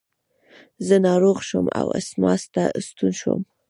زه ناروغ شوم او اسماس ته ستون شوم.